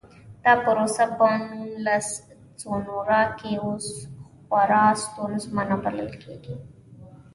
دا پروسه په نوګالس سونورا کې اوس خورا ستونزمنه بلل کېږي.